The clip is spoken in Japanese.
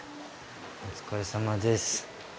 お疲れさまです。